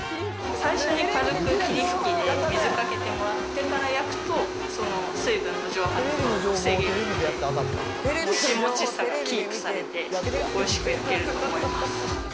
最初に軽く霧吹きで水かけてもらってから焼くと、その水分の蒸発を防げるんで、もちもちさがキープされておいしく焼けると思います